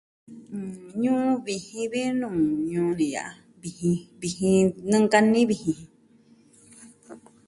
Ñuu vijin vi nuu ñuu ni ya'a. Vijin, vijin nɨnkani vijin.